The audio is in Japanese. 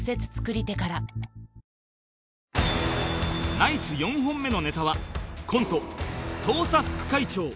ナイツ４本目のネタはコント「そうさ副会長」